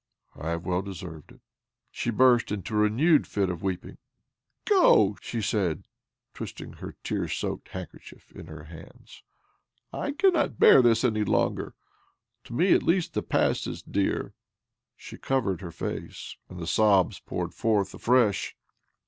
I have well deserved it." She burst into a renewed fit of weeping. " Go I " she said, twisting her tear soaked handkerchief in her hands ." I cannot bear OBLOMOV 231 this any longer. To me at least the past is dear." She covered her face, and the sobs poured forth afresh.